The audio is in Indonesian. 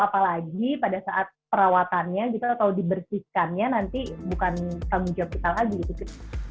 apalagi pada saat perawatannya gitu atau dibersihkannya nanti bukan tanggung jawab kita lagi gitu